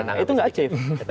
itu tidak safe